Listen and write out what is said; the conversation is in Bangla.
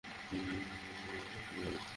গিয়ে মা-বাবাকে জানাও যে তুমি বাড়ি আছ।